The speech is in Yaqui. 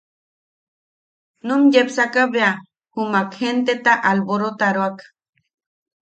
Num yepsaka bea jumak jenteta alborotaroak.